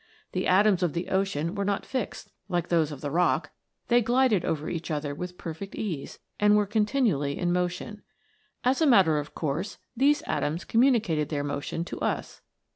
The atoms of the ocean were not fixed, like those of the rock. They glided over each other with perfect ease, and were continually in motion. As a matter of course, these atoms communicated their motion, to us.